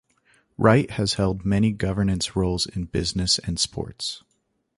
Wright has held many governance roles in business and sports.